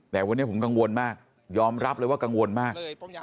แต่วันนี้ผมกังวลมากยอมรับเลยว่ากังวลมาก